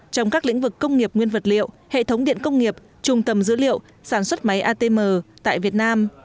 trong các lĩnh vực công nghiệp nguyên vật liệu hệ thống điện công nghiệp trung tầm dữ liệu sản xuất máy atm tại việt nam